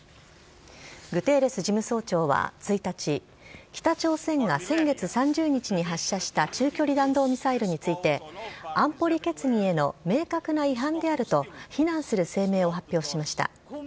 グテーレス事務総長は１日、北朝鮮が先月３０日に発射した中距離弾道ミサイルについて、安保理決議への明確な違反であると、非難する声明を発表しました。